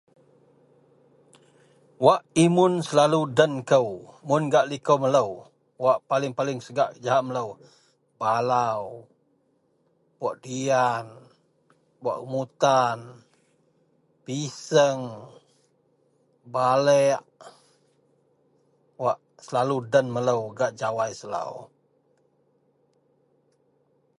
Wak imun selalu den kou, mun gak likou melou wak paling-paling segak jegahak melou, balau, buwak diyan, buwak remutan, piseng, baleak wak selalu den melou gak jawai selau.